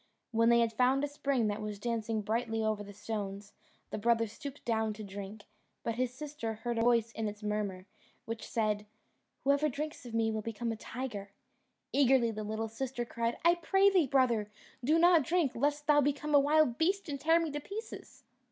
When they had found a spring that was dancing brightly over the stones, the brother stooped down to drink; but his sister heard a voice in its murmur, which said, "Whoever drinks of me will become a tiger." Eagerly the little sister cried, "I pray thee, brother, do not drink, lest thou become a wild beast and tear me to pieces."